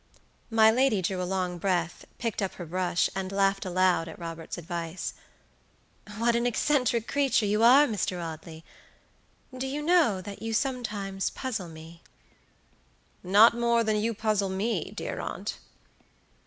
My lady drew a long breath, picked up her brush, and laughed aloud at Robert's advice. "What an eccentric creature you are, Mr. Audley I Do you know that you sometimes puzzle me" "Not more than you puzzle me, dear aunt."